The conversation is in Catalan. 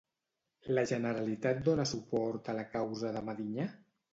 La Generalitat dona suport a la causa de Medinyà?